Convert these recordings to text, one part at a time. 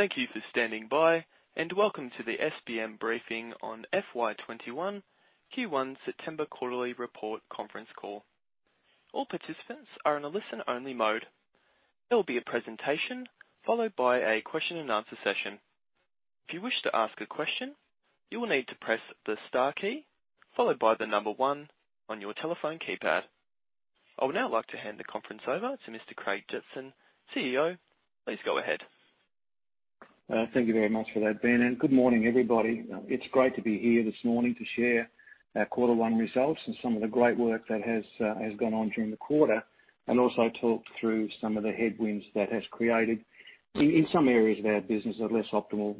Thank you for standing by, and welcome to the SBM briefing on FY 2021 Q1 September quarterly report conference call. All participants are in a listen-only mode. There will be a presentation followed by a question and answer session. If you wish to ask a question, you will need to press the star key followed by the number one on your telephone keypad. I would now like to hand the conference over to Mr. Craig Jetson, CEO. Please go ahead. Thank you very much for that, Ben. Good morning, everybody. It's great to be here this morning to share our quarter one results and some of the great work that has gone on during the quarter. Also talk through some of the headwinds that has created in some areas of our business, a less optimal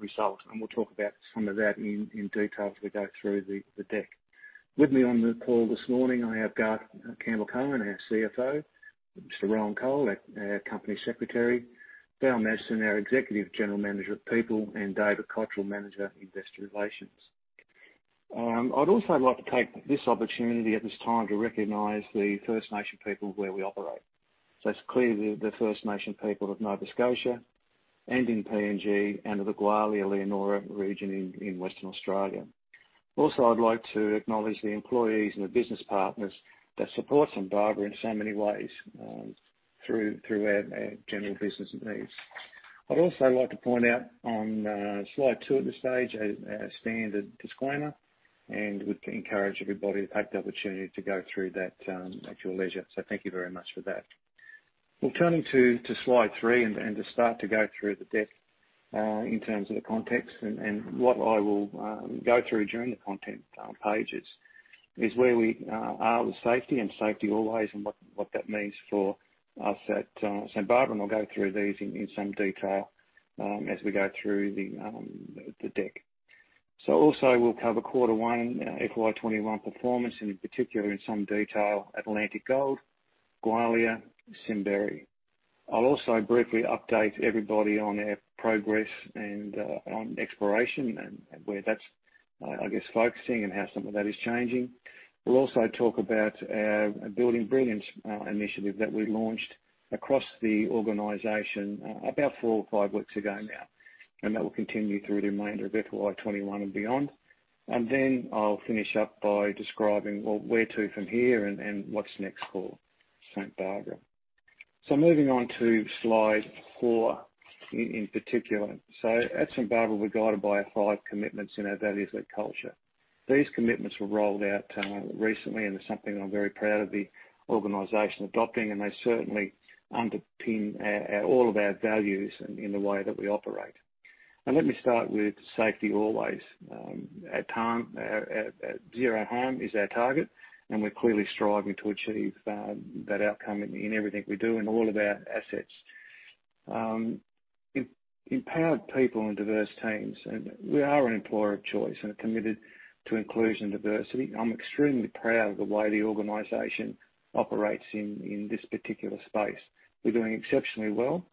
result. We'll talk about some of that in detail as we go through the deck. With me on the call this morning, I have Garth Campbell-Cowan, our CFO. Mr Rowan Cole, our company secretary. Val Madsen, our executive general manager, people, and David Cotterell, manager, investor relations. I'd also like to take this opportunity at this time to recognize the First Nation people where we operate. It's clearly the First Nation people of Nova Scotia and in PNG and the Gwalia Leonora region in Western Australia. Also, I'd like to acknowledge the employees and the business partners that support St Barbara in so many ways through our general business needs. I'd also like to point out on slide two at this stage, our standard disclaimer, and would encourage everybody to take the opportunity to go through that at your leisure. Thank you very much for that. Well, turning to slide three and to start to go through the deck, in terms of the context and what I will go through during the content pages is where we are with safety and safety always, and what that means for us at St Barbara. We'll go through these in some detail as we go through the deck. Also we'll cover quarter one, FY 2021 performance, and in particular in some detail, Atlantic Gold, Gwalia, Simberi. I'll also briefly update everybody on our progress and on exploration and where that's, I guess, focusing and how some of that is changing. We'll also talk about our Building Brilliance initiative that we launched across the organization about four or five weeks ago now, and that will continue through the remainder of FY 2021 and beyond. I'll finish up by describing where to from here and what's next for St Barbara. Moving on to slide four in particular. At St Barbara, we're guided by our five commitments in our values, led culture. These commitments were rolled out recently into something I'm very proud of the organization adopting, and they certainly underpin all of our values in the way that we operate. Let me start with safety always. Zero harm is our target, and we're clearly striving to achieve that outcome in everything we do in all of our assets. Empowered people and diverse teams. We are an employer of choice and are committed to inclusion and diversity. I'm extremely proud of the way the organization operates in this particular space. We're doing exceptionally well.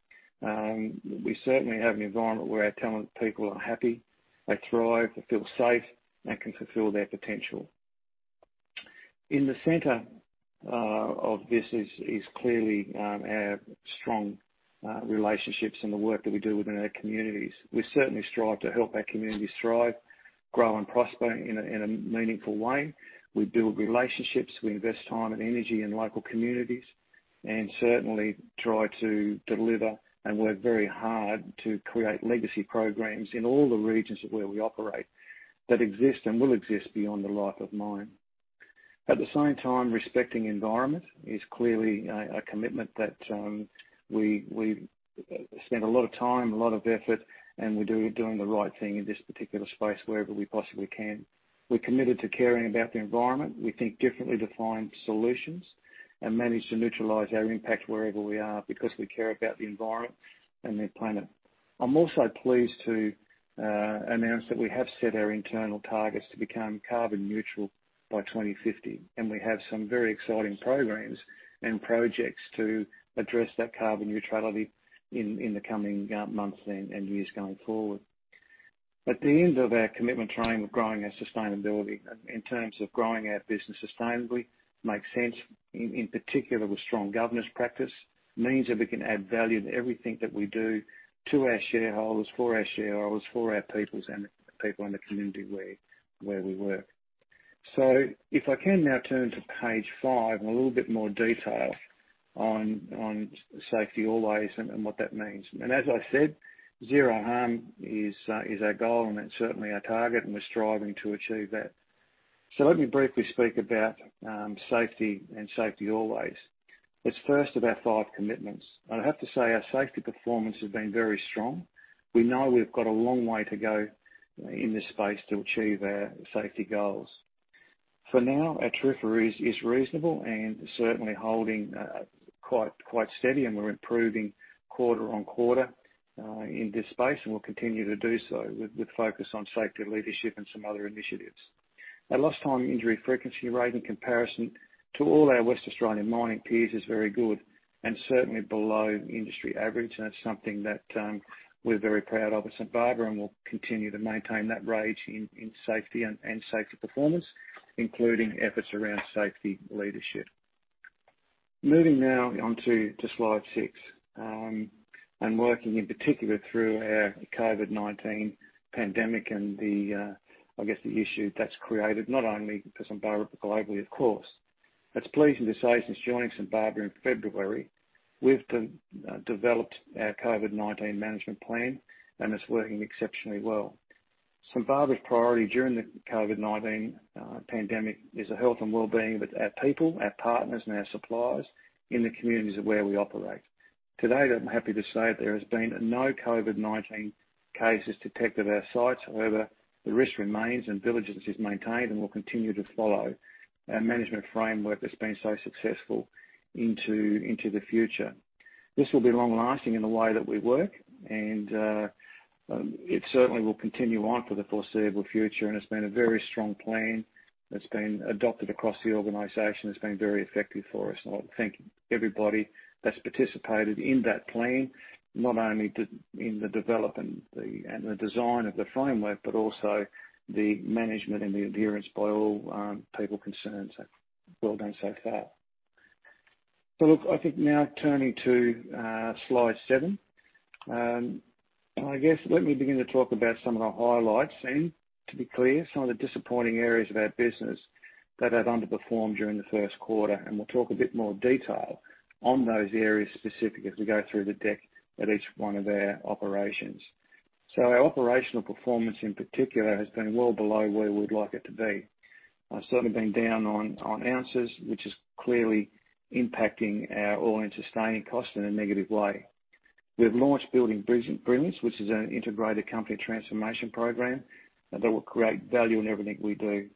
We certainly have an environment where our talented people are happy, they thrive, they feel safe, and can fulfill their potential. In the center of this is clearly our strong relationships and the work that we do within our communities. We certainly strive to help our communities thrive, grow, and prosper in a meaningful way. We build relationships, we invest time and energy in local communities, and certainly try to deliver and work very hard to create legacy programs in all the regions where we operate that exist and will exist beyond the life of mine. At the same time, respecting environment is clearly a commitment that we spend a lot of time, a lot of effort, and we're doing the right thing in this particular space wherever we possibly can. We're committed to caring about the environment. We think differently defined solutions and manage to neutralize our impact wherever we are because we care about the environment and the planet. I'm also pleased to announce that we have set our internal targets to become carbon neutral by 2050, and we have some very exciting programs and projects to address that carbon neutrality in the coming months and years going forward. At the end of our commitment train, we're growing our sustainability. In terms of growing our business sustainably, makes sense, in particular with strong governance practice, means that we can add value to everything that we do to our shareholders, for our shareholders, for our peoples, and the people in the community where we work. If I can now turn to page five in a little bit more detail on safety always and what that means. As I said, zero harm is our goal, and it's certainly our target, and we're striving to achieve that. Let me briefly speak about safety and safety always. It's first of our five commitments. I have to say our safety performance has been very strong. We know we've got a long way to go in this space to achieve our safety goals. For now, our TRIFR is reasonable and certainly holding quite steady, and we're improving quarter-on-quarter in this space and will continue to do so with focus on safety leadership and some other initiatives. Our lost time injury frequency rate in comparison to all our West Australian mining peers is very good and certainly below industry average. That's something that we're very proud of at St Barbara, and we'll continue to maintain that rate in safety and safety performance, including efforts around safety leadership. Moving now on to slide six. Working in particular through our COVID-19 pandemic and the issue that's created, not only for St Barbara, but globally, of course. It's pleasing to say, since joining St Barbara in February, we've developed our COVID-19 management plan, and it's working exceptionally well. St Barbara's priority during the COVID-19 pandemic is the health and wellbeing of our people, our partners, and our suppliers in the communities where we operate. Today, I'm happy to say, there has been no COVID-19 cases detected at our sites. The risk remains, diligence is maintained, we'll continue to follow our management framework that's been so successful into the future. This will be long-lasting in the way that we work, it certainly will continue on for the foreseeable future. It's been a very strong plan that's been adopted across the organization. It's been very effective for us. I thank everybody that's participated in that plan, not only in the development and the design of the framework, but also the management and the adherence by all people concerned. Well done so far. Look, I think now turning to slide seven. I guess, let me begin to talk about some of the highlights and, to be clear, some of the disappointing areas of our business that have underperformed during the first quarter. We'll talk a bit more detail on those areas specific as we go through the deck at each one of our operations. Our operational performance in particular has been well below where we'd like it to be. Certainly been down on ounces, which is clearly impacting our all-in sustaining cost in a negative way. We've launched Building Brilliance, which is an integrated company transformation program that will create value in everything we do.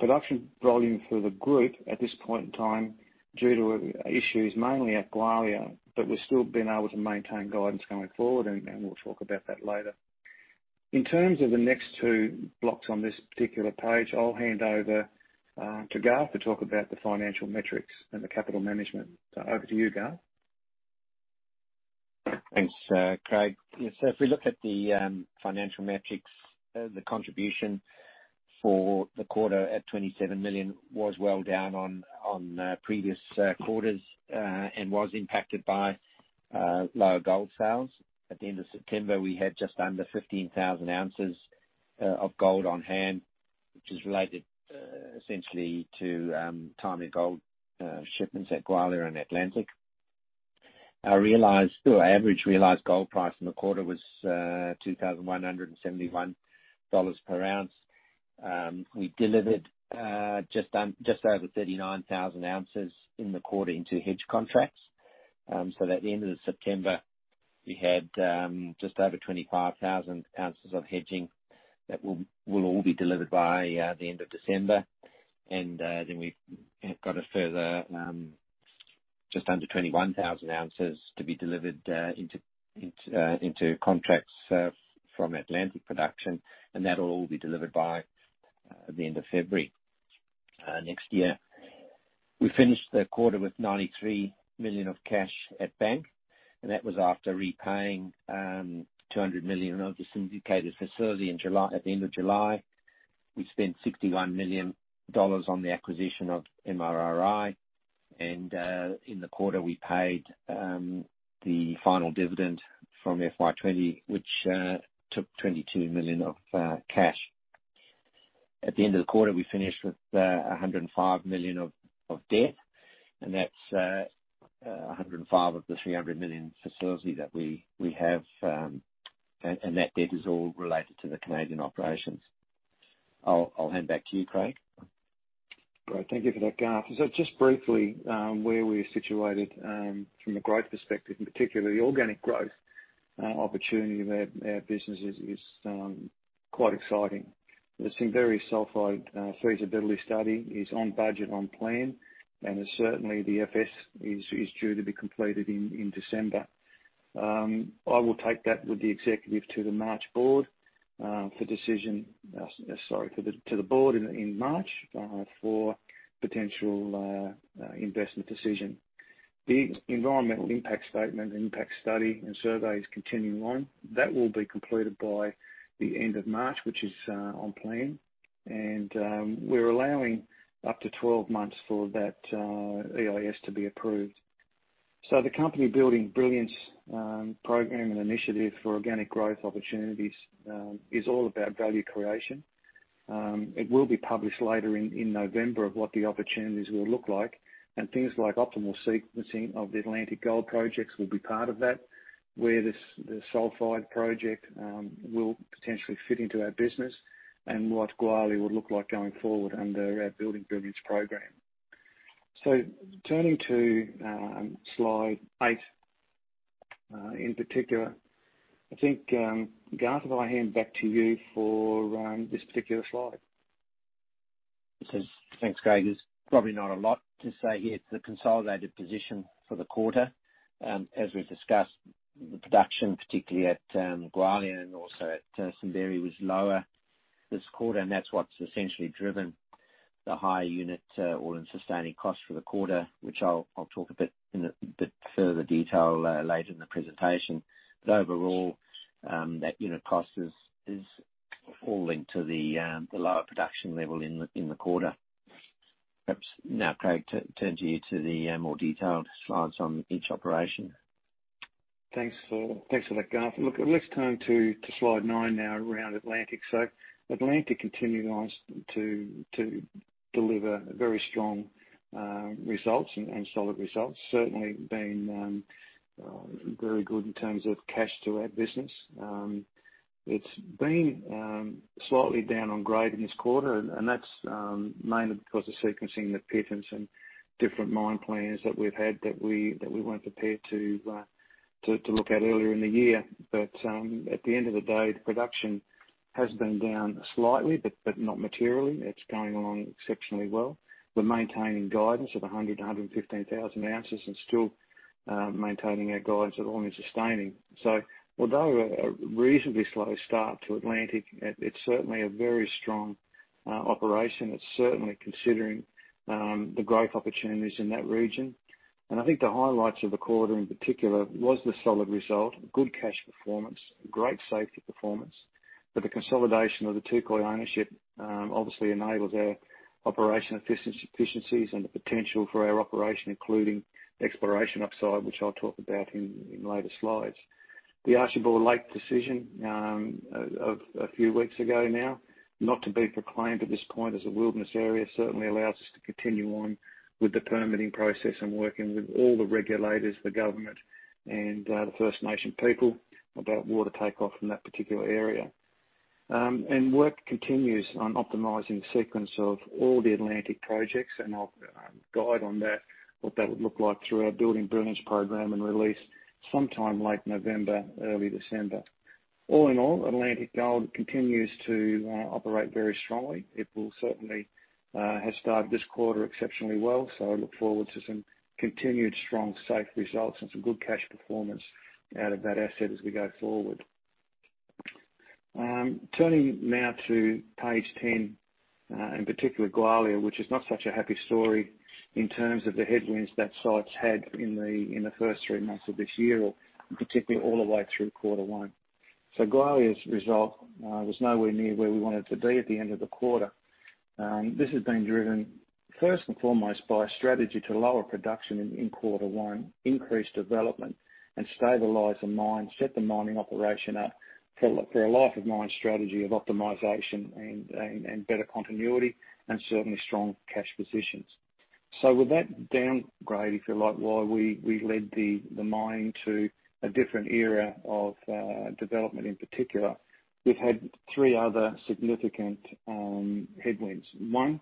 Production volume for the group at this point in time, due to issues mainly at Gwalia, but we've still been able to maintain guidance going forward, and we'll talk about that later. In terms of the next two blocks on this particular page, I'll hand over to Garth to talk about the financial metrics and the capital management. Over to you, Garth. Thanks, Craig. If we look at the financial metrics, the contribution for the quarter at 27 million was well down on previous quarters, was impacted by lower gold sales. At the end of September, we had just under 15,000 ounces of gold on hand, which is related essentially to timing gold shipments at Gwalia and Atlantic. Our average realized gold price in the quarter was 2,171 dollars per ounce. We delivered just over 39,000 ounces in the quarter into hedge contracts. At the end of September, we had just over 25,000 ounces of hedging that will all be delivered by the end of December. We've got a further just under 21,000 ounces to be delivered into contracts from Atlantic production, that'll all be delivered by the end of February next year. We finished the quarter with 93 million of cash at bank, and that was after repaying 200 million of the syndicated facility at the end of July. We spent 61 million dollars on the acquisition of MRRI. In the quarter, we paid the final dividend from FY 2020, which took 22 million of cash. At the end of the quarter, we finished with 105 million of debt, and that's 105 million of the 300 million facility that we have. That debt is all related to the Canadian operations. I'll hand back to you, Craig. Great. Thank you for that, Garth. Just briefly, where we're situated from a growth perspective, in particular, the organic growth opportunity of our business is quite exciting. The Simberi sulphide feasibility study is on budget, on plan, and certainly the FS is due to be completed in December. I will take that with the executive to the March board, for potential investment decision. The environmental impact statement, impact study and survey is continuing on. That will be completed by the end of March, which is on plan. We're allowing up to 12 months for that EIS to be approved. The company Building Brilliance program and initiative for organic growth opportunities is all about value creation. It will be published later in November of what the opportunities will look like. Things like optimal sequencing of the Atlantic Gold projects will be part of that, where the sulfide project will potentially fit into our business, and what Gwalia will look like going forward under our Building Brilliance program. Turning to slide eight. In particular, I think, Garth, if I hand back to you for this particular slide. Thanks, Craig. There's probably not a lot to say here. The consolidated position for the quarter. As we've discussed, the production, particularly at Gwalia and also at Simberi, was lower this quarter. That's what's essentially driven the high unit all-in sustaining cost for the quarter, which I'll talk in a bit further detail later in the presentation. Overall, that unit cost is all linked to the lower production level in the quarter. Perhaps now, Craig, turn to you to the more detailed slides on each operation. Thanks for that, Garth. Let's turn to slide nine now around Atlantic. Atlantic continues to deliver very strong results and solid results. Certainly been very good in terms of cash to our business. It's been slightly down on grade in this quarter, and that's mainly because of sequencing the pit and some different mine plans that we've had that we weren't prepared to look at earlier in the year. At the end of the day, the production has been down slightly, but not materially. It's going along exceptionally well. We're maintaining guidance of 100,000-115,000 ounces and still maintaining our guidance at all-in sustaining. Although a reasonably slow start to Atlantic, it's certainly a very strong operation. It's certainly considering the growth opportunities in that region. I think the highlights of the quarter, in particular, was the solid result, good cash performance, great safety performance, but the consolidation of the Touquoy ownership obviously enables our operation efficiencies and the potential for our operation, including exploration upside, which I'll talk about in later slides. The Archibald Lake decision, of a few weeks ago now, not to be proclaimed at this point as a wilderness area, certainly allows us to continue on with the permitting process and working with all the regulators, the government, and the First Nation people about water takeoff from that particular area. Work continues on optimizing the sequence of all the Atlantic projects, and I'll guide on that, what that would look like through our Building Brilliance program and release sometime late November, early December. All in all, Atlantic Gold continues to operate very strongly. It will certainly have started this quarter exceptionally well, so I look forward to some continued strong, safe results and some good cash performance out of that asset as we go forward. Turning now to page 10, in particular Gwalia, which is not such a happy story in terms of the headwinds that site's had in the first three months of this year, or in particular, all the way through quarter one. Gwalia's result was nowhere near where we wanted to be at the end of the quarter. This has been driven first and foremost by a strategy to lower production in quarter one, increase development, and stabilize the mine, set the mining operation up for a life of mine strategy of optimization and better continuity and certainly strong cash positions. With that downgrade, if you like, why we led the mine to a different area of development, in particular. We've had three other significant headwinds. One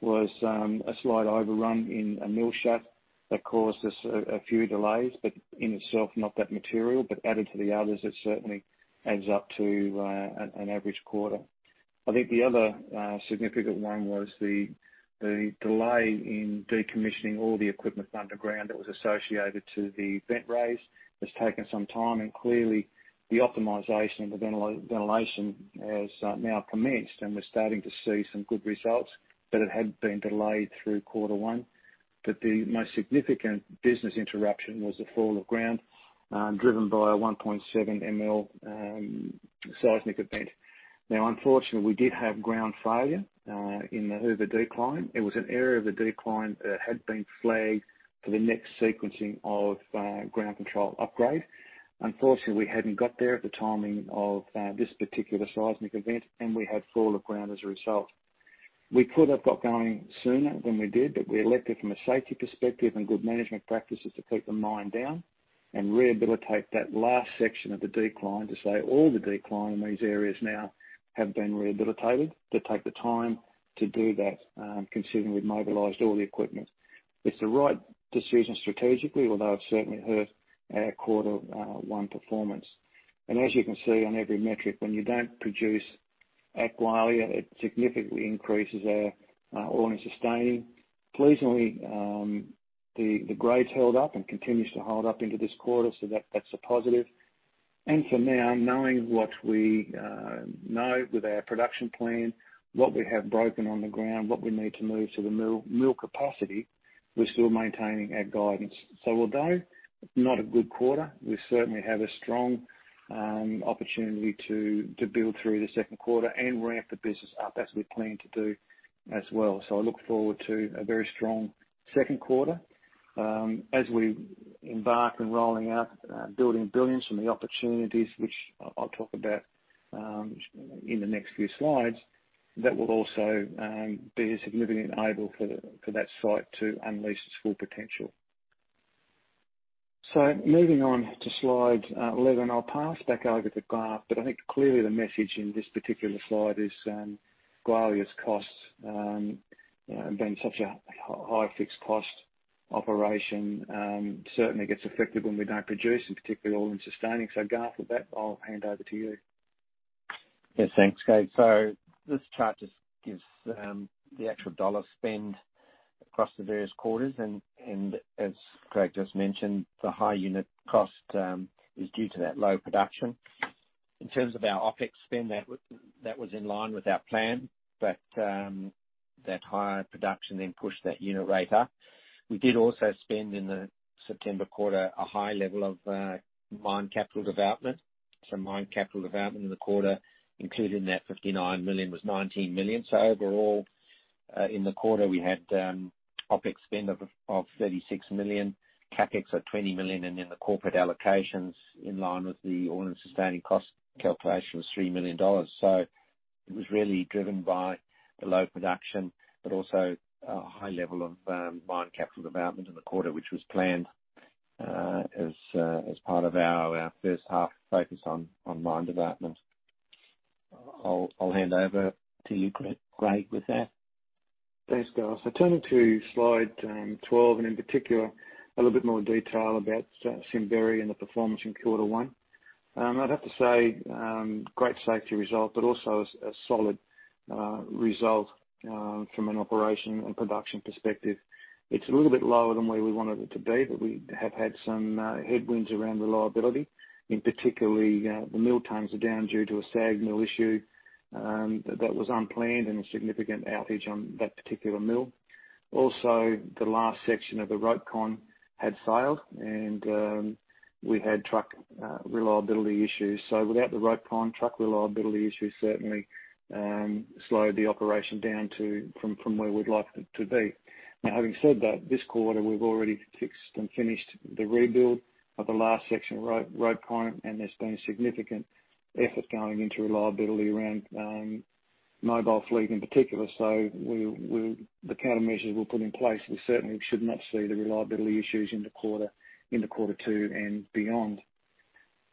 was a slight overrun in a mill shut that caused us a few delays, but in itself, not that material, but added to the others, it certainly adds up to an average quarter. I think the other significant one was the delay in decommissioning all the equipment underground that was associated to the vent raise. It's taken some time, and clearly the optimization of the ventilation has now commenced, and we're starting to see some good results. It had been delayed through quarter one. The most significant business interruption was the fall of ground, driven by a 1.7 ML seismic event. Unfortunately, we did have ground failure, in the Hoover decline. It was an area of the decline that had been flagged for the next sequencing of ground control upgrade. Unfortunately, we hadn't got there at the timing of this particular seismic event, and we had fall of ground as a result. We could have got going sooner than we did, but we elected from a safety perspective and good management practices to keep the mine down and rehabilitate that last section of the decline to say all the decline in these areas now have been rehabilitated to take the time to do that, considering we've mobilized all the equipment. It's the right decision strategically, although it certainly hurt our quarter one performance. As you can see on every metric, when you don't produce at Gwalia, it significantly increases our AISC. Pleasingly, the grades held up and continues to hold up into this quarter, so that's a positive. For now, knowing what we know with our production plan, what we have broken on the ground, what we need to move to the mill capacity, we're still maintaining our guidance. Although not a good quarter, we certainly have a strong opportunity to build through the second quarter and ramp the business up as we plan to do as well. I look forward to a very strong second quarter. As we embark on rolling out Building Brilliance from the opportunities, which I'll talk about in the next few slides, that will also be a significant enabler for that site to unleash its full potential. Moving on to slide 11, I'll pass back over to Garth, but I think clearly the message in this particular slide is Gwalia's costs being such a high fixed cost operation, certainly gets affected when we don't produce, and particularly all-in sustaining. Garth, with that, I'll hand over to you. Yes, thanks, Craig. This chart just gives the actual dollar spend across the various quarters. As Craig just mentioned, the high unit cost is due to that low production. In terms of our OpEx spend, that was in line with our plan. That higher production then pushed that unit rate up. We did also spend, in the September quarter, a high level of mine capital development. Mine capital development in the quarter, included in that 59 million, was 19 million. Overall, in the quarter, we had OpEx spend of 36 million, CapEx of 20 million, and then the corporate allocations, in line with the all-in sustaining cost calculation, was 3 million dollars. It was really driven by the low production, but also a high level of mine capital development in the quarter, which was planned as part of our first half focus on mine development. I'll hand over to you, Craig, with that. Thanks, Garth. Turning to slide 12, and in particular, a little bit more detail about Simberi and the performance in quarter one. I'd have to say, great safety result, also a solid result from an operation and production perspective. It's a little bit lower than where we wanted it to be, we have had some headwinds around reliability. In particular, the mill times are down due to a SAG mill issue that was unplanned and a significant outage on that particular mill. Also, the last section of the RopeCon had failed, and we had truck reliability issues. Without the RopeCon, truck reliability issues certainly slowed the operation down from where we'd like it to be. Now, having said that, this quarter we've already fixed and finished the rebuild of the last section of RopeCon, and there's been significant effort going into reliability around mobile fleet in particular. The countermeasures we've put in place, we certainly should not see the reliability issues into quarter two and beyond.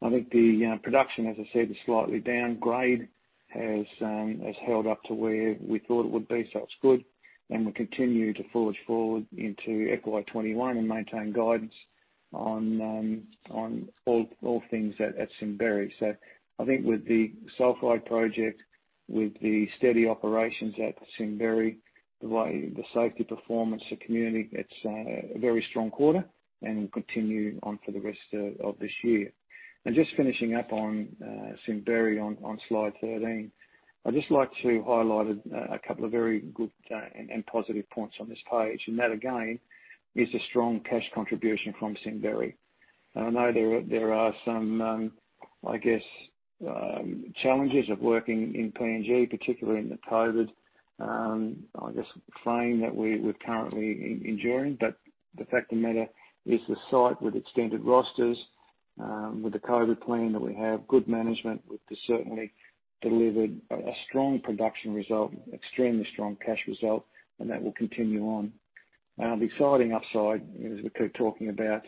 I think the production, as I said, is slightly down. Grade has held up to where we thought it would be, so it's good, and we continue to forge forward into FY 2021 and maintain guidance on all things at Simberi. I think with the sulfide project, with the steady operations at Simberi, the safety performance, the community, it's a very strong quarter and will continue on for the rest of this year. Just finishing up on Simberi on slide 13. I'd just like to highlight a couple of very good and positive points on this page. That, again, is the strong cash contribution from Simberi. I know there are some challenges of working in PNG, particularly in the COVID frame that we're currently enduring. The fact of the matter is the site with extended rosters, with the COVID plan that we have, good management, has certainly delivered a strong production result, extremely strong cash result, and that will continue on. The exciting upside, as we keep talking about,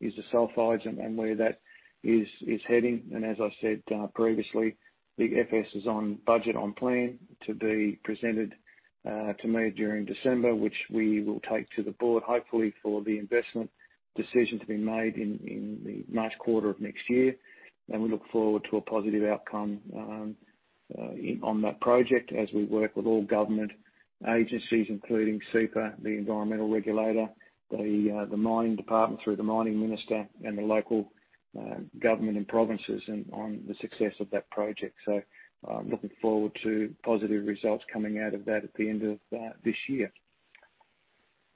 is the sulfides and where that is heading. As I said previously, the FS is on budget, on plan, to be presented to me during December, which we will take to the board, hopefully, for the investment decision to be made in the March quarter of next year. We look forward to a positive outcome on that project as we work with all government agencies, including CEPA, the environmental regulator, the mine department through the mining minister, and the local government and provinces on the success of that project. I'm looking forward to positive results coming out of that at the end of this year.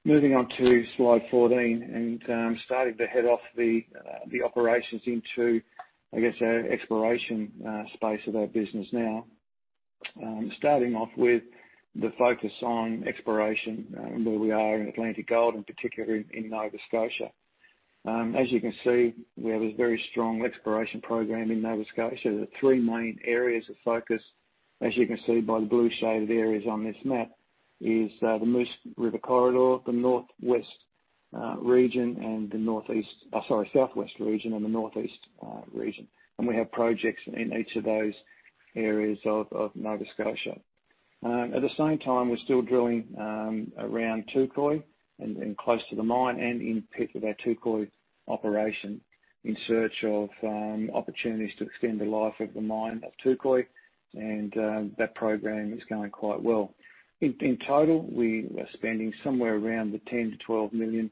Moving on to slide 14 and starting to head off the operations into our exploration space of our business now. Starting off with the focus on exploration and where we are in Atlantic Gold, in particular in Nova Scotia. As you can see, we have a very strong exploration program in Nova Scotia. The three main areas of focus, as you can see by the blue shaded areas on this map, is the Moose River corridor, the Northeast region, Southwest region and the Northeast region. We have projects in each of those areas of Nova Scotia. At the same time, we're still drilling around Touquoy and close to the mine and in pit with our Touquoy operation in search of opportunities to extend the life of the mine at Touquoy. That program is going quite well. In total, we are spending somewhere around the 10 million-12 million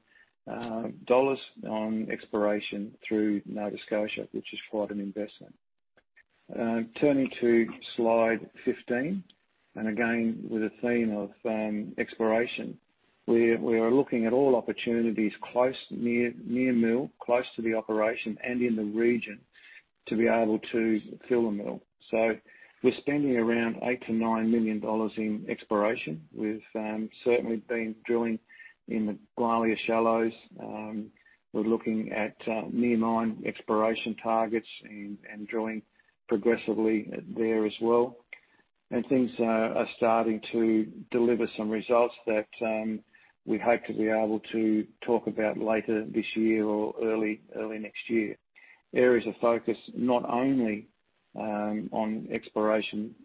dollars on exploration through Nova Scotia, which is quite an investment. Turning to slide 15, and again, with a theme of exploration, we are looking at all opportunities close, near mill, close to the operation, and in the region to be able to fill the mill. We're spending around 8 million-9 million dollars in exploration. We've certainly been drilling in the Gwalia Shallows. We're looking at near mine exploration targets and drilling progressively there as well. Things are starting to deliver some results that we hope to be able to talk about later this year or early next year. Areas of focus, not only on exploration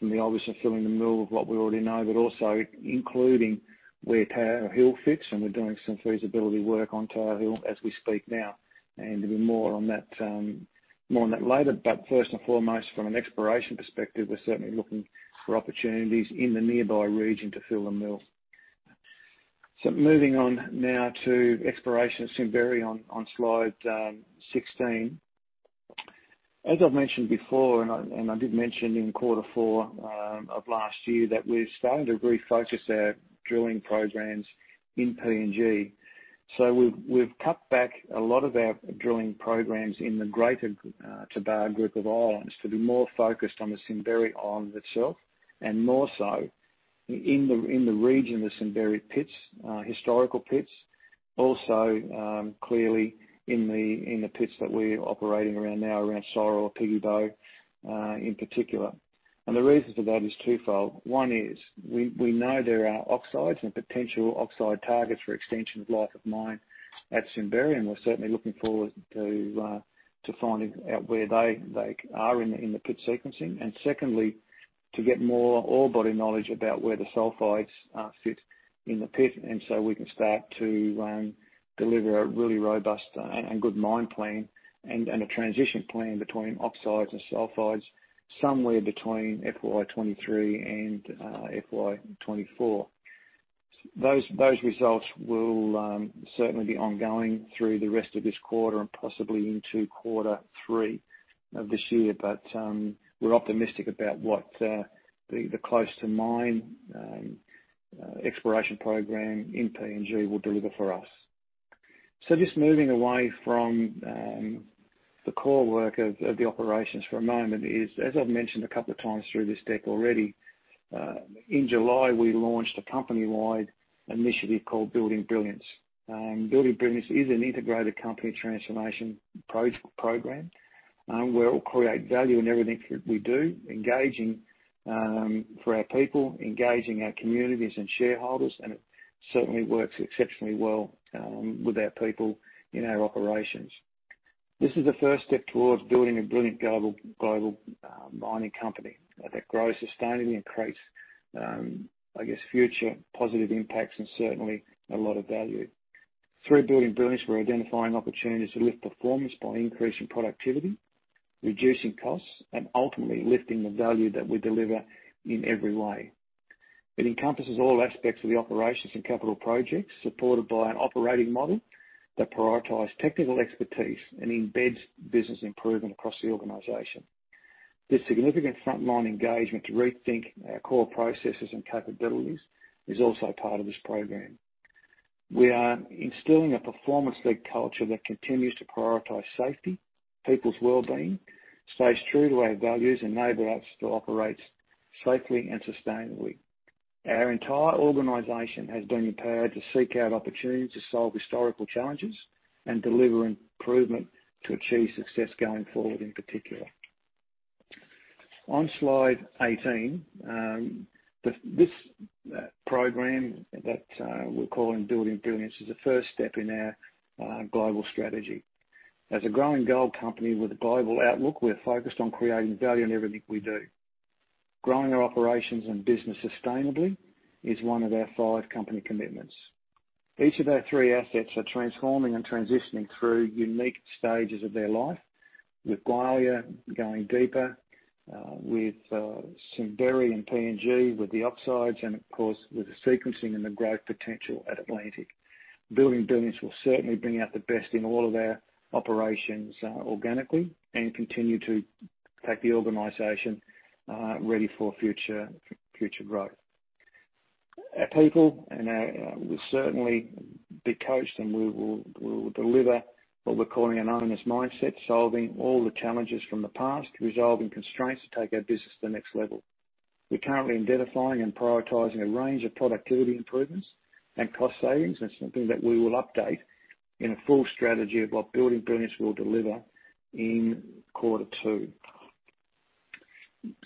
from the obvious of filling the mill with what we already know, but also including where Tower Hill fits. We're doing some feasibility work on Tower Hill as we speak now. There'll be more on that later. First and foremost, from an exploration perspective, we're certainly looking for opportunities in the nearby region to fill the mill. Moving on now to exploration at Simberi on slide 16. As I've mentioned before, and I did mention in quarter four of last year, that we're starting to refocus our drilling programs in PNG. We've cut back a lot of our drilling programs in the greater Tabar group of islands to be more focused on the Simberi island itself, and more so in the region of Simberi pits, historical pits, also, clearly in the pits that we're operating around now around Sorowar or Pigibo, in particular. The reason for that is twofold. One is we know there are oxides and potential oxide targets for extension of life of mine at Simberi, and we're certainly looking forward to finding out where they are in the pit sequencing. Secondly, to get more ore body knowledge about where the sulfides fit in the pit, and so we can start to deliver a really robust and good mine plan, and a transition plan between oxides and sulfides somewhere between FY 2023 and FY 2024. Those results will certainly be ongoing through the rest of this quarter and possibly into quarter three of this year. We're optimistic about what the close to mine exploration program in PNG will deliver for us. Just moving away from the core work of the operations for a moment is, as I've mentioned a couple of times through this deck already, in July, we launched a company-wide initiative called Building Brilliance. Building Brilliance is an integrated company transformation program. We all create value in everything that we do, engaging for our people, engaging our communities and shareholders, and it certainly works exceptionally well with our people in our operations. This is the first step towards building a brilliant global mining company that grows sustainably and creates, I guess, future positive impacts and certainly a lot of value. Through Building Brilliance, we're identifying opportunities to lift performance by increasing productivity, reducing costs, and ultimately lifting the value that we deliver in every way. It encompasses all aspects of the operations and capital projects, supported by an operating model that prioritizes technical expertise and embeds business improvement across the organization. The significant frontline engagement to rethink our core processes and capabilities is also part of this program. We are instilling a performance-led culture that continues to prioritize safety, people's well-being, stays true to our values, enabling us to operate safely and sustainably. Our entire organization has been empowered to seek out opportunities to solve historical challenges and deliver improvement to achieve success going forward in particular. On slide 18, this program that we're calling Building Brilliance is the first step in our global strategy. As a growing gold company with a global outlook, we're focused on creating value in everything we do. Growing our operations and business sustainably is one of our five company commitments. Each of our three assets are transforming and transitioning through unique stages of their life, with Gwalia going deeper, with Simberi and PNG with the oxides, and of course, with the sequencing and the growth potential at Atlantic. Building Brilliance will certainly bring out the best in all of our operations organically and continue to take the organization ready for future growth. Our people will certainly be coached, and we will deliver what we're calling an owner's mindset, solving all the challenges from the past, resolving constraints to take our business to the next level. We're currently identifying and prioritizing a range of productivity improvements and cost savings. That's something that we will update in a full strategy of what Building Brilliance will deliver in quarter two.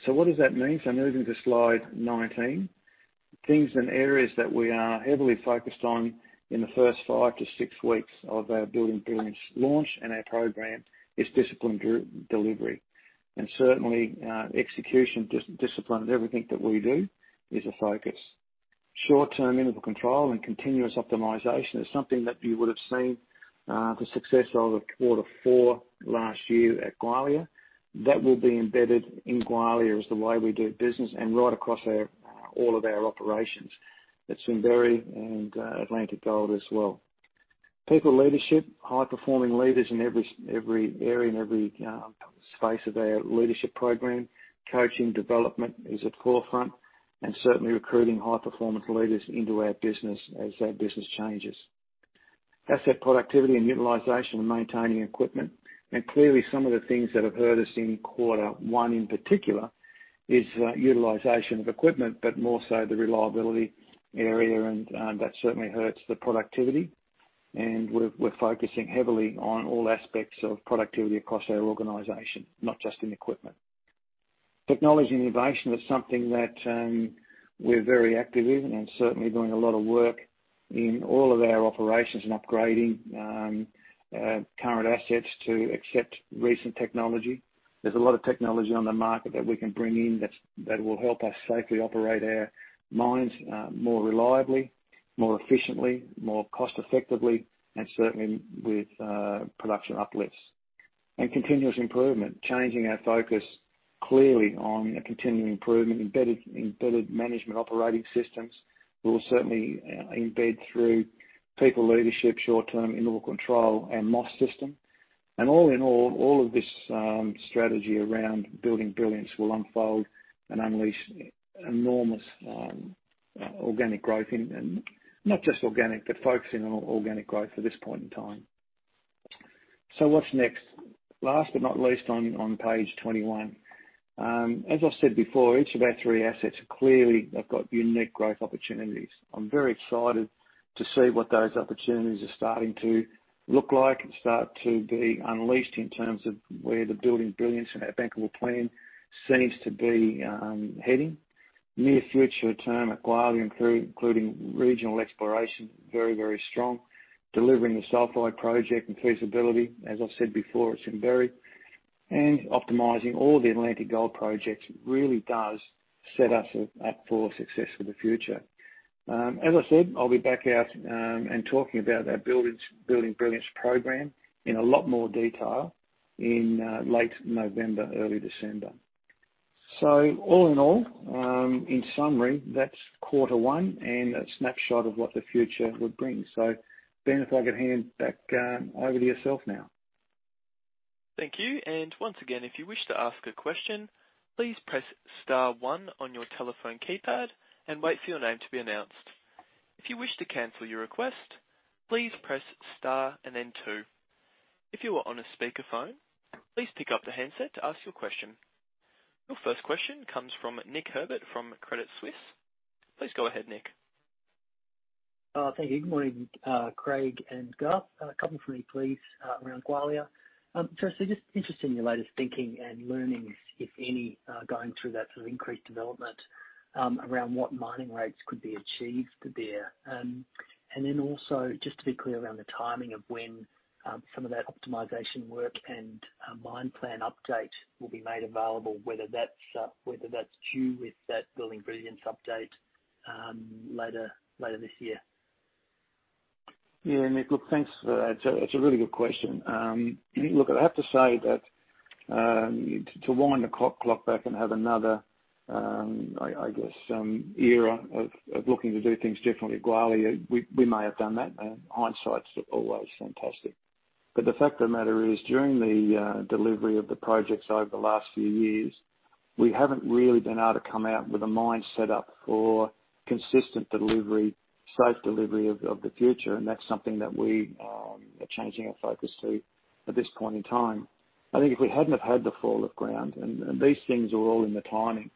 What does that mean? Moving to slide 19. Things and areas that we are heavily focused on in the first five to six weeks of our Building Brilliance launch and our program is disciplined delivery. Certainly, execution discipline in everything that we do is a focus. Short-term interval control and continuous optimization is something that you would have seen the success of quarter four last year at Gwalia. That will be embedded in Gwalia as the way we do business and right across all of our operations at Simberi and Atlantic Gold as well. People leadership, high-performing leaders in every area and every space of our leadership program. Coaching development is at forefront, and certainly recruiting high-performance leaders into our business as our business changes. Asset productivity and utilization, maintaining equipment. Clearly some of the things that have hurt us in quarter one, in particular, is utilization of equipment, but more so the reliability area, and that certainly hurts the productivity. We're focusing heavily on all aspects of productivity across our organization, not just in equipment. Technology and innovation is something that we're very active in and certainly doing a lot of work in all of our operations and upgrading current assets to accept recent technology. There's a lot of technology on the market that we can bring in that will help us safely operate our mines more reliably, more efficiently, more cost-effectively, and certainly with production uplifts. Continuous improvement, changing our focus clearly on a continuing improvement, embedded management operating systems will certainly embed through people leadership, short-term interval control, and MOS system. All in all of this strategy around Building Brilliance will unfold and unleash enormous organic growth. Not just organic, but focusing on organic growth at this point in time. What's next? Last but not least, on page 21. As I said before, each of our three assets clearly have got unique growth opportunities. I'm very excited to see what those opportunities are starting to look like and start to be unleashed in terms of where the Building Brilliance and our bankable plan seems to be heading. Near future term at Gwalia, including regional exploration, very, very strong. Delivering the sulfide project and feasibility, as I said before, it's Simberi. Optimizing all of the Atlantic Gold projects really does set us up for success for the future. As I said, I'll be back out and talking about our Building Brilliance program in a lot more detail in late November, early December. All in all, in summary, that's quarter one and a snapshot of what the future would bring. Ben, if I could hand back over to yourself now. Thank you. Once again, if you wish to ask a question, please press star one on your telephone keypad and wait for your name to be announced. If you wish to cancel your request, please press star and then two. If you are on a speakerphone, please pick up the handset to ask your question. Your first question comes from Nick Herbert from Credit Suisse. Please go ahead, Nick. Thank you. Good morning, Craig and Garth. A couple from me, please, around Gwalia. Just interested in your latest thinking and learnings, if any, going through that sort of increased development around what mining rates could be achieved there. Just to be clear around the timing of when some of that optimization work and mine plan update will be made available, whether that's due with that Building Brilliance update later this year. Yeah, Nick, look, thanks for that. It's a really good question. Look, I have to say that to wind the clock back and have another, I guess, era of looking to do things differently at Gwalia, we may have done that. Hindsight's always fantastic. The fact of the matter is, during the delivery of the projects over the last few years, we haven't really been able to come out with a mine set up for consistent delivery, safe delivery of the future, and that's something that we are changing our focus to at this point in time. I think if we hadn't have had the fall of ground, these things are all in the timing.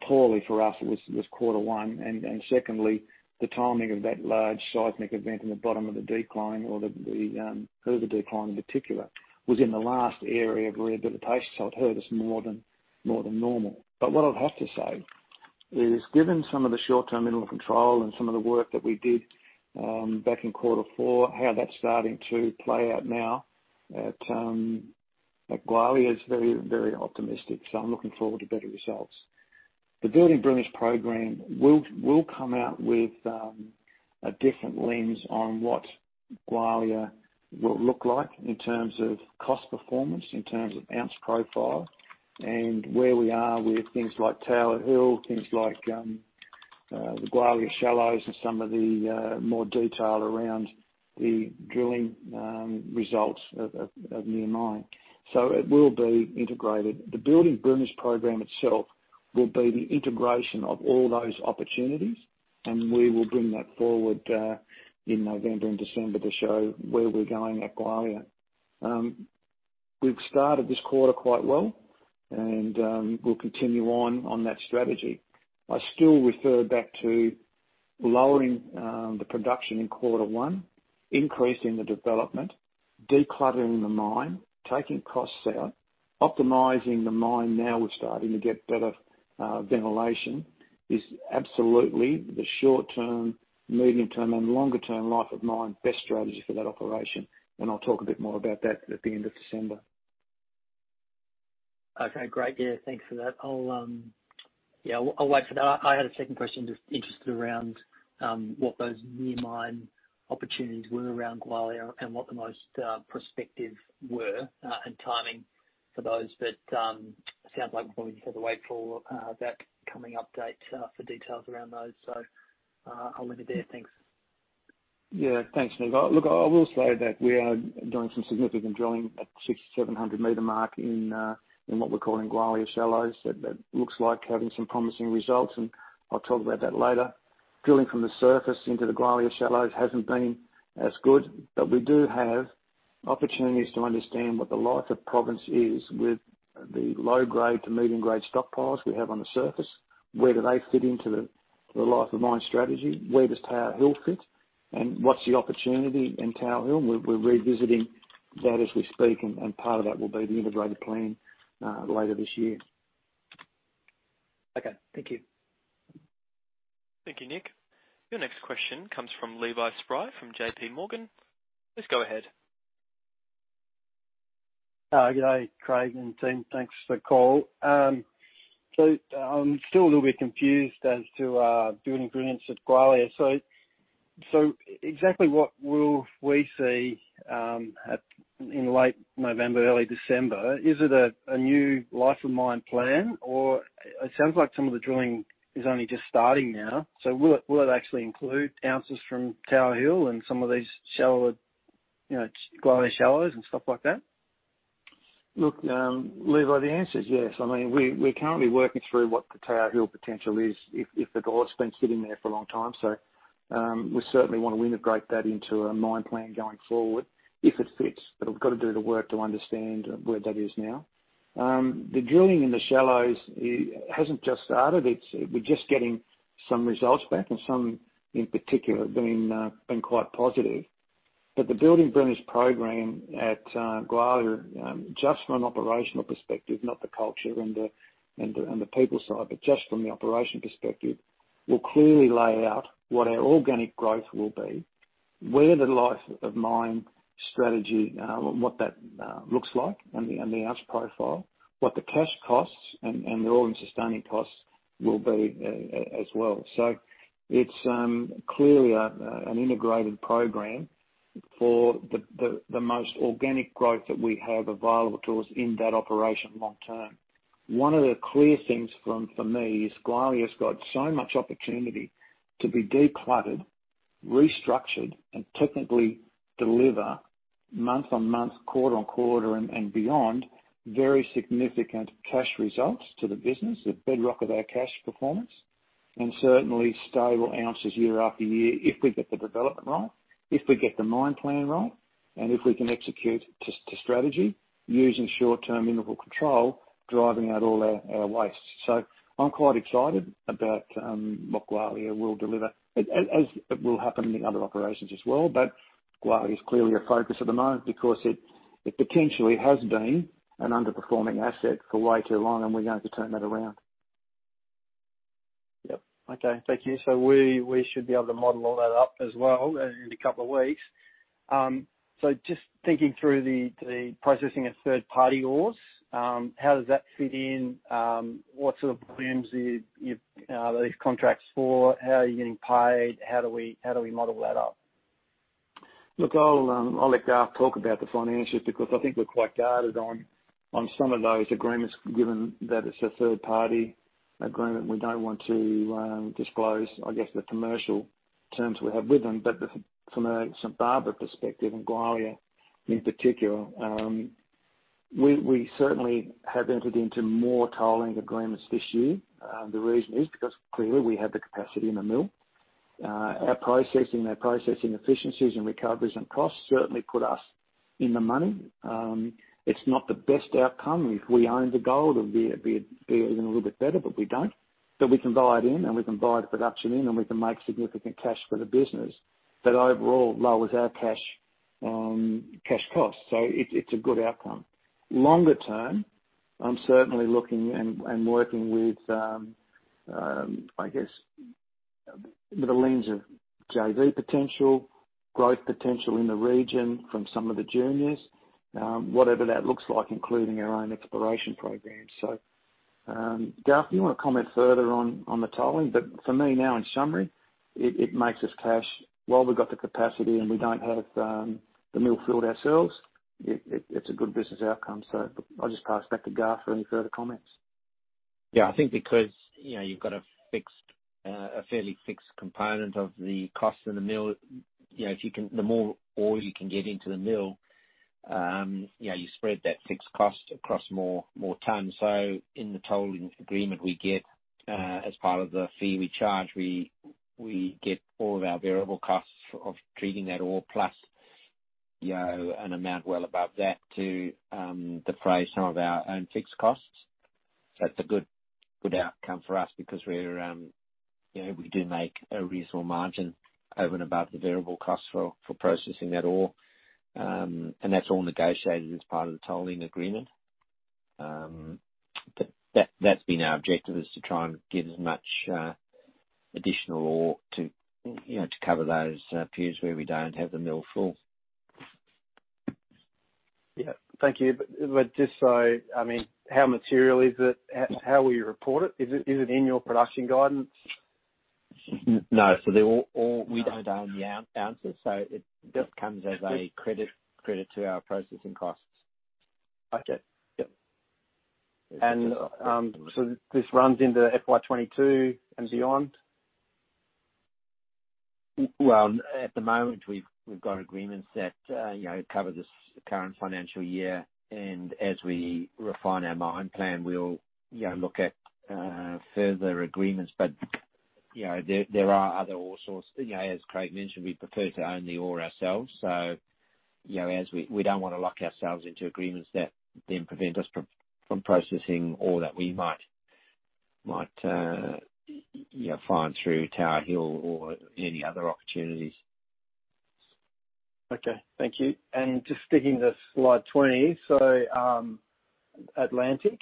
Poorly for us, it was quarter one. Secondly, the timing of that large seismic event in the bottom of the decline or the further decline in particular, was in the last area of rehabilitation, so it hurt us more than normal. What I'd have to say is, given some of the short-term interval control and some of the work that we did back in quarter four, how that's starting to play out now at Gwalia is very, very optimistic. I'm looking forward to better results. The Building Brilliance program will come out with a different lens on what Gwalia will look like in terms of cost performance, in terms of ounce profile, and where we are with things like Tower Hill, things like the Gwalia Shallows and some of the more detail around the drilling results of near mine. It will be integrated. The Building Brilliance program itself will be the integration of all those opportunities, and we will bring that forward in November and December to show where we're going at Gwalia. We've started this quarter quite well and we'll continue on that strategy. I still refer back to lowering the production in quarter one, increasing the development, decluttering the mine, taking costs out, optimizing the mine now we're starting to get better ventilation, is absolutely the short-term, medium-term, and longer-term life of mine best strategy for that operation. I'll talk a bit more about that at the end of December. Okay, great. Yeah, thanks for that. I'll wait for that. I had a second question, just interested around what those near mine opportunities were around Gwalia and what the most prospective were, and timing for those. Sounds like we probably just have to wait for that coming update for details around those. I'll leave it there. Thanks. Yeah. Thanks, Nick. Look, I will say that we are doing some significant drilling at the 600-700 meter mark in what we're calling Gwalia Shallows. That looks like having some promising results, and I'll talk about that later. Drilling from the surface into the Gwalia Shallows hasn't been as good, but we do have opportunities to understand what the life of province is with the low-grade to medium-grade stockpiles we have on the surface. Where do they fit into the life of mine strategy? Where does Tower Hill fit? What's the opportunity in Tower Hill? We're revisiting that as we speak, and part of that will be the integrated plan later this year. Okay. Thank you. Thank you, Nick. Your next question comes from Levi Spry from JPMorgan. Please go ahead. Good day, Craig and team. Thanks for the call. I'm still a little bit confused as to Building Brilliance at Gwalia. Exactly what will we see in late November, early December? Is it a new life of mine plan, or it sounds like some of the drilling is only just starting now. Will it actually include ounces from Tower Hill and some of these Gwalia Shallows and stuff like that? Look, Levi, the answer is yes. We're currently working through what the Tower Hill potential is if the gold's been sitting there for a long time. We certainly want to integrate that into a mine plan going forward if it fits. We've got to do the work to understand where that is now. The drilling in the shallows hasn't just started. We're just getting some results back and some, in particular, have been quite positive. The Building Brilliance program at Gwalia, just from an operational perspective, not the culture and the people side, but just from the operation perspective, will clearly lay out what our organic growth will be, where the life of mine strategy, what that looks like and the ounce profile. What the cash costs and the all-in sustaining costs will be as well. It's clearly an integrated program for the most organic growth that we have available to us in that operation long term. One of the clear things for me is Gwalia's got so much opportunity to be decluttered, restructured, and technically deliver month-on-month, quarter-on-quarter and beyond, very significant cash results to the business, the bedrock of our cash performance, and certainly stable ounces year after year if we get the development right, if we get the mine plan right, and if we can execute to strategy using short-term interval control, driving out all our waste. I'm quite excited about what Gwalia will deliver as it will happen in the other operations as well. Gwalia is clearly a focus at the moment because it potentially has been an underperforming asset for way too long, and we're going to turn that around. Yep. Okay. Thank you. We should be able to model all that up as well in a couple of weeks. Just thinking through the processing of third-party ores, how does that fit in? What sort of volumes are these contracts for? How are you getting paid? How do we model that up? I'll let Garth talk about the financials because I think we're quite guarded on some of those agreements, given that it's a third-party agreement. We don't want to disclose, I guess, the commercial terms we have with them. From a St Barbara perspective and Gwalia in particular, we certainly have entered into more tolling agreements this year. The reason is because clearly we have the capacity in the mill. Our processing efficiencies and recoveries and costs certainly put us in the money. It's not the best outcome. If we owned the gold, it would be a little bit better, but we don't. We can buy it in, and we can buy the production in, and we can make significant cash for the business that overall lowers our cash costs. It's a good outcome. Longer term, I'm certainly looking and working with, I guess, the lens of JV potential, growth potential in the region from some of the juniors, whatever that looks like, including our own exploration programs. Garth, you want to comment further on the tolling? For me now, in summary, it makes us cash while we've got the capacity and we don't have the mill filled ourselves. It's a good business outcome. I'll just pass back to Garth for any further comments. Yeah, I think because you've got a fairly fixed component of the cost in the mill. The more ore you can get into the mill, you spread that fixed cost across more tons. In the tolling agreement we get as part of the fee we charge, we get all of our variable costs of treating that ore, plus an amount well above that to defray some of our own fixed costs. That's a good outcome for us because we do make a reasonable margin over and above the variable costs for processing that ore. That's all negotiated as part of the tolling agreement. That's been our objective, is to try and get as much additional ore to cover those periods where we don't have the mill full. Yeah. Thank you. Just so, how material is it? How will you report it? Is it in your production guidance? No. They're all. We don't own the ounces, so it just comes as a credit to our processing costs. Okay. Yep. This runs into FY 2022 and beyond? Well, at the moment, we've got agreements that cover this current financial year. As we refine our mine plan, we'll look at further agreements. There are other ore sources. As Craig mentioned, we prefer to own the ore ourselves. We don't want to lock ourselves into agreements that then prevent us from processing ore that we might find through Tower Hill or any other opportunities. Okay. Thank you. Just sticking to slide 20. Atlantic.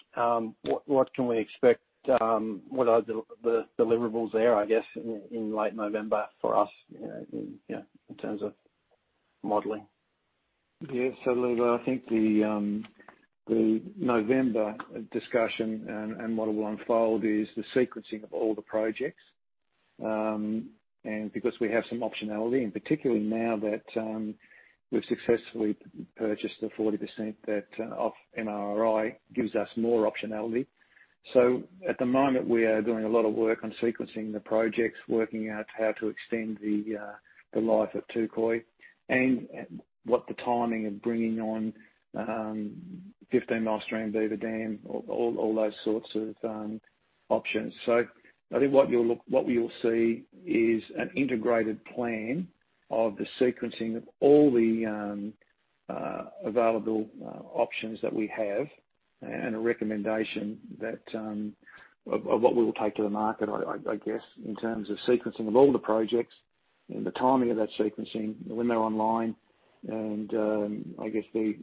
What can we expect? What are the deliverables there, I guess, in late November for us, in terms of modeling? Yeah. Levi, I think the November discussion and model will unfold is the sequencing of all the projects. Because we have some optionality, and particularly now that we've successfully purchased the 40% of MRRI, gives us more optionality. At the moment, we are doing a lot of work on sequencing the projects, working out how to extend the life of Touquoy, and what the timing of bringing on 15 Mile Stream, Beaver Dam, all those sorts of options. I think what you'll see is an integrated plan of the sequencing of all the available options that we have and a recommendation of what we will take to the market, I guess, in terms of sequencing of all the projects and the timing of that sequencing, when they're online, and, I guess the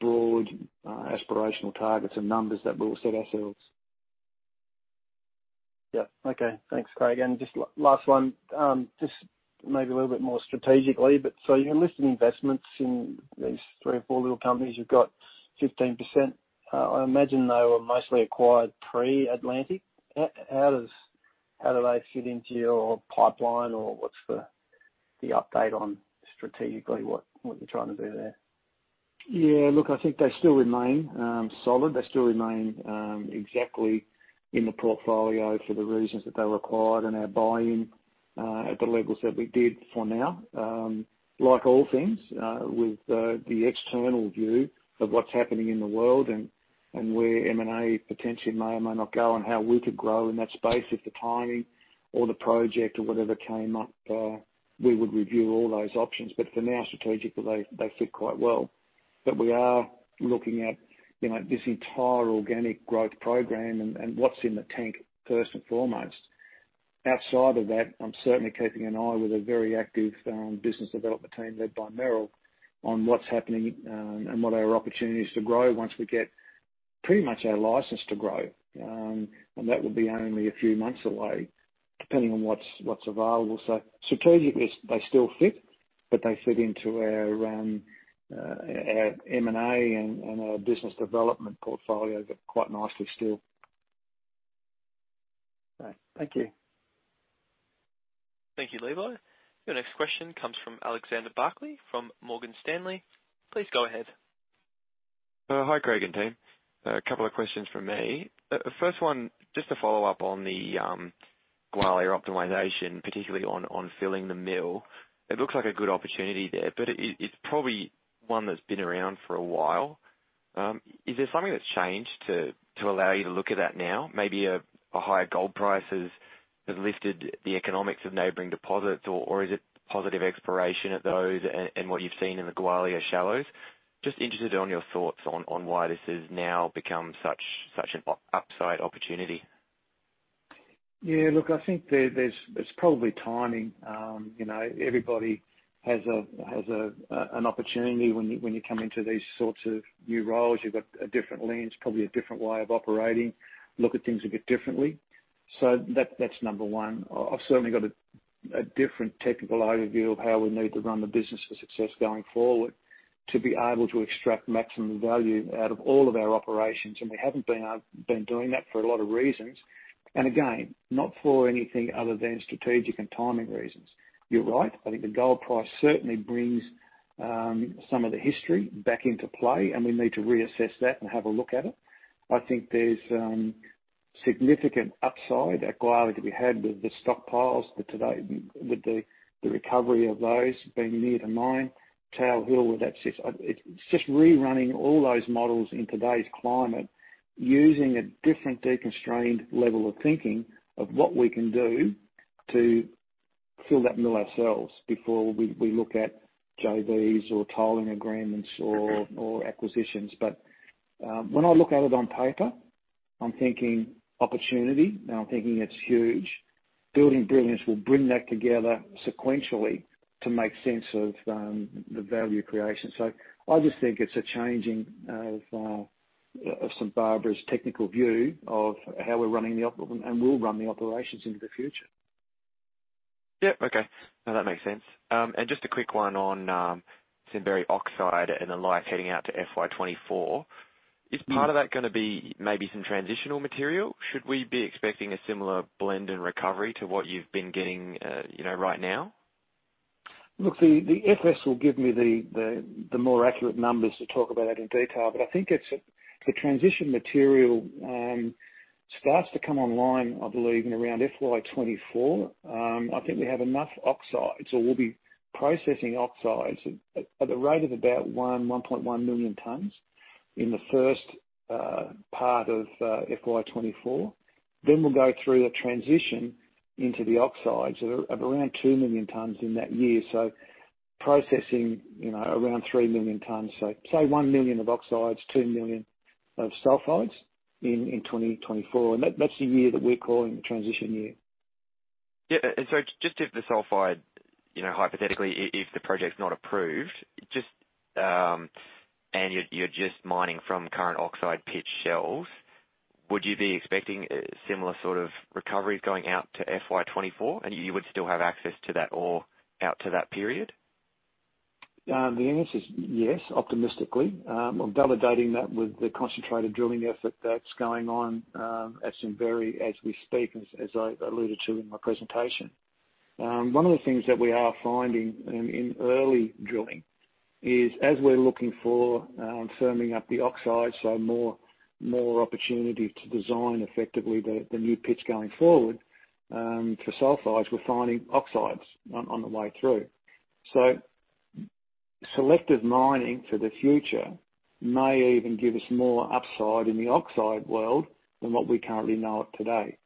broad, aspirational targets and numbers that we'll set ourselves. Yeah. Okay. Thanks, Craig, and just last one. Just maybe a little bit more strategically, you're listing investments in these three or four little companies. You've got 15%. I imagine they were mostly acquired pre-Atlantic. How do they fit into your pipeline, or what's the update on, strategically, what you're trying to do there? Look, I think they still remain solid. They still remain exactly in the portfolio for the reasons that they were acquired and our buy-in at the levels that we did for now. Like all things, with the external view of what's happening in the world and where M&A potentially may or may not go and how we could grow in that space if the timing or the project or whatever came up, we would review all those options. For now, strategically, they fit quite well. We are looking at this entire organic growth program and what's in the tank first and foremost. Outside of that, I'm certainly keeping an eye with a very active business development team led by Meryl on what's happening and what are our opportunities to grow once we get pretty much our license to grow. That would be only a few months away, depending on what's available. Strategically, they still fit, but they fit into our M&A and our business development portfolio quite nicely still. All right. Thank you. Thank you, Levi. Your next question comes from Alexander Barclay from Morgan Stanley. Please go ahead. Hi, Craig and team. A couple of questions from me. The first one, just to follow up on the Gwalia optimization, particularly on filling the mill. It looks like a good opportunity there, but it's probably one that's been around for a while. Is there something that's changed to allow you to look at that now? Maybe a higher gold price has lifted the economics of neighboring deposits, or is it positive exploration of those and what you've seen in the Gwalia Shallows? Just interested on your thoughts on why this has now become such an upside opportunity. Look, I think there's probably timing. Everybody has an opportunity when you come into these sorts of new roles. You've got a different lens, probably a different way of operating, look at things a bit differently. That's number one. I've certainly got a different technical overview of how we need to run the business for success going forward to be able to extract maximum value out of all of our operations, and we haven't been doing that for a lot of reasons. Again, not for anything other than strategic and timing reasons. You're right. I think the gold price certainly brings some of the history back into play, and we need to reassess that and have a look at it. I think there's significant upside at Gwalia to be had with the stockpiles today, with the recovery of those being near the mine, Tower Hill, where that sits. It's just rerunning all those models in today's climate using a different deconstrained level of thinking of what we can do to fill that mill ourselves before we look at JVs or tolling agreements or acquisitions. When I look at it on paper, I'm thinking opportunity, and I'm thinking it's huge. Building Brilliance will bring that together sequentially to make sense of the value creation. I just think it's a changing of St Barbara's technical view of how we're running, and we'll run the operations into the future. Yeah. Okay. No, that makes sense. Just a quick one on Simberi oxide and the like heading out to FY 2024. Is part of that going to be maybe some transitional material? Should we be expecting a similar blend and recovery to what you've been getting right now? Look, the FS will give me the more accurate numbers to talk about that in detail. I think the transition material starts to come online, I believe, in around FY 2024. I think we have enough oxides, or we'll be processing oxides at a rate of about 1-1.1 million tons in the first part of FY 2024. We'll go through a transition into the oxides of around 2 million tons in that year. Processing around 3 million tons, so say 1 million of oxides, 2 million of sulfides in 2024. That's the year that we're calling the transition year. Yeah. Just if the sulfide, hypothetically, if the project's not approved, and you're just mining from current oxide pit shells, would you be expecting similar sort of recoveries going out to FY 2024, and you would still have access to that ore out to that period? The answer is yes, optimistically. I'm validating that with the concentrated drilling effort that's going on at Simberi as we speak, as I alluded to in my presentation. One of the things that we are finding in early drilling is, as we're looking for firming up the oxide, more opportunity to design effectively the new pits going forward. For sulfides, we're finding oxides on the way through. Selective mining for the future may even give us more upside in the oxide world than what we currently know of today.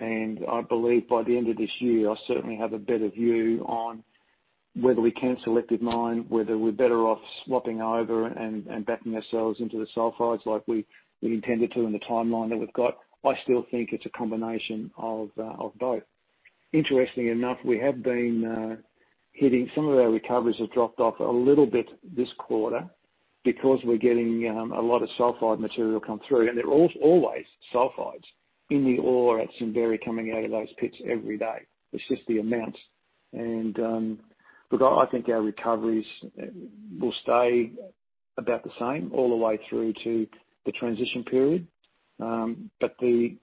I believe by the end of this year, I'll certainly have a better view on whether we can selective mine, whether we're better off swapping over and backing ourselves into the sulfides like we intended to in the timeline that we've got. I still think it's a combination of both. Interestingly enough, some of our recoveries have dropped off a little bit this quarter because we're getting a lot of sulfide material come through. They're always sulfides in the ore at Simberi coming out of those pits every day. It's just the amount. Look, I think our recoveries will stay about the same all the way through to the transition period. The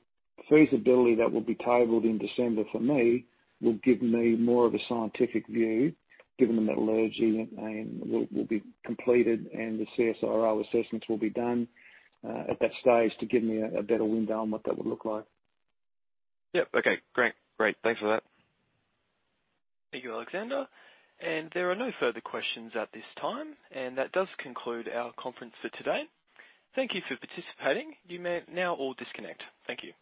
feasibility that will be tabled in December for me will give me more of a scientific view, given the metallurgy will be completed and the CSIRO assessments will be done, at that stage to give me a better window on what that would look like. Yep. Okay, great. Thanks for that. Thank you, Alexander. There are no further questions at this time. That does conclude our conference for today. Thank you for participating. You may now all disconnect. Thank you.